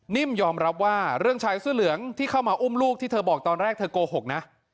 ยอมรับว่าเรื่องชายเสื้อเหลืองที่เข้ามาอุ้มลูกที่เธอบอกตอนแรกเธอโกหกนะ